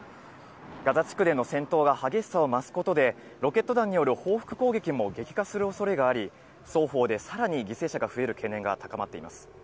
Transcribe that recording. ガザ地区での戦闘が激しさを増すことで、ロケット弾による報復攻撃も激化するおそれがあり、双方でさらに犠牲者が増える懸念が高まっています。